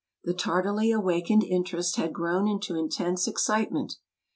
The tardily awakened interest had grown into intense excitement.